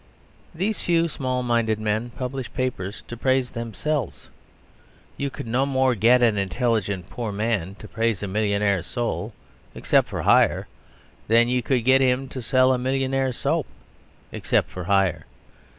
These few small minded men publish, papers to praise themselves. You could no more get an intelligent poor man to praise a millionaire's soul, except for hire, than you could get him to sell a millionaire's soap, except for hire.